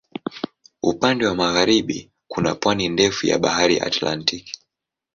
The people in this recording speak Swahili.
Upande wa magharibi kuna pwani ndefu ya Bahari Atlantiki.